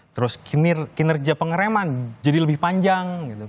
terus kinerja pengereman jadi lebih panjang